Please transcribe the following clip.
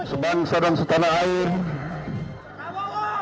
sebangsa dan setanah air